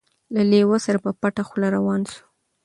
له لېوه سره په پټه خوله روان سو